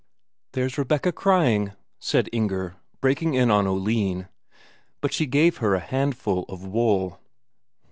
"There's Rebecca crying," said Inger, breaking in on Oline. But she gave her a handful of wool.